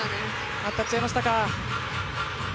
当たっちゃいましたか。